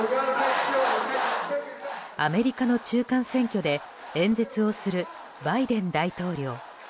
アメリカの中間選挙で演説をするバイデン大統領。